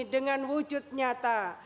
dengan wujud nyata